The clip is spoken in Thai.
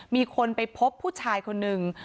มีคนไปพบผู้ชายคนนึง